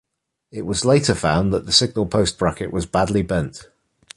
It was later found that the signal post bracket was badly bent.